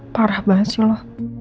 parah banget sih lo